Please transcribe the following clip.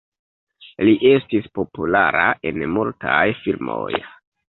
Li estis populara en mutaj filmoj.